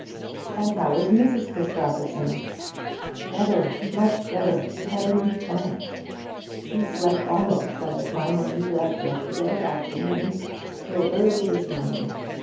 'And how is Mrs. Christopherson?' 'Better, much better, Heaven be thanked! She slept almost from the time when you left yesterday afternoon till early this morning.